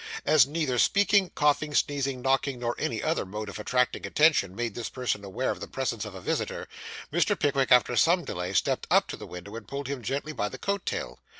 As neither speaking, coughing, sneezing, knocking, nor any other ordinary mode of attracting attention, made this person aware of the presence of a visitor, Mr. Pickwick, after some delay, stepped up to the window, and pulled him gently by the coat tail.